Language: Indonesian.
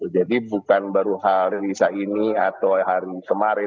jadi bukan baru hari ini atau hari sem wohige minggu kemarin